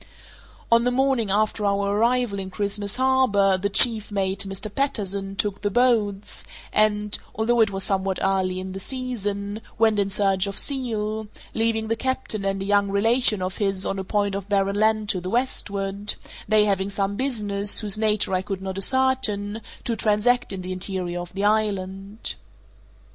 On the morning after our arrival in Christmas Harbour the chief mate, Mr. Patterson, took the boats, and (although it was somewhat early in the season) went in search of seal, leaving the captain and a young relation of his on a point of barren land to the westward, they having some business, whose nature I could not ascertain, to transact in the interior of the island.